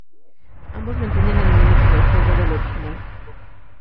Ambos mantienen la dinámica de juego del original.